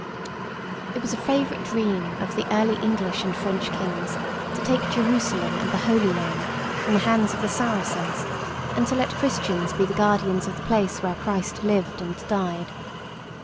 It was a favourite dream of the early English and French kings to take Jerusalem and the Holy Land from the hands of the Saracens, and to let Christians be the guardians of the place where Christ lived and died.